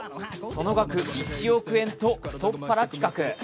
その額１億円と太っ腹企画。